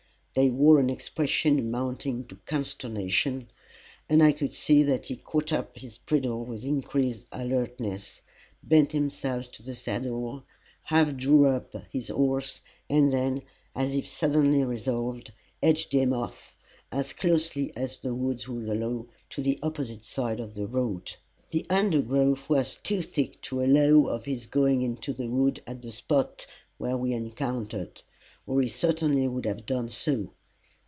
They wore an expression amounting to consternation, and I could see that he caught up his bridle with increased alertness, bent himself to the saddle, half drew up his horse, and then, as if suddenly resolved, edged him off, as closely as the woods would allow, to the opposite side of the road. The undergrowth was too thick to allow of his going into the wood at the spot where we encountered, or he certainly would have done so.